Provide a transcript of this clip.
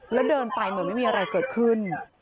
แล้วเดินไปเหมือนไม่มีอะไรเกิดขึ้น